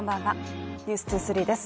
「ｎｅｗｓ２３」です。